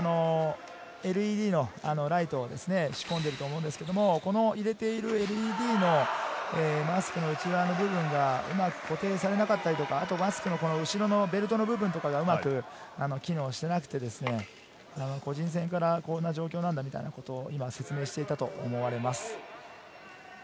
ＬＥＤのライトを仕込んでいると思うんですけど、この入れているＬＥＤのマスクの内側の部分が固定されなかったり、マスクの後ろのベルトの部分がうまく機能していなくて、個人戦から、こんな状況なんだみたいなことを今、説明していたと思われます。